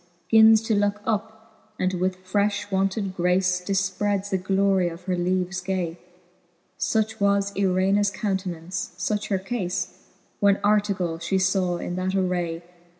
Gins to look, up, and with frefli wonted grace Pifpreds the glorie of her leaves gay ; Such was Irenas countenance, fuch her caie, When Artegall fhe faw in that array.